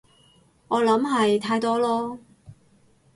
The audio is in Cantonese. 我諗係太多囉